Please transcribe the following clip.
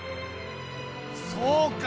そうか！